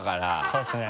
そうですね。